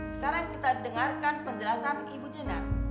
sekarang kita dengarkan penjelasan ibu jenar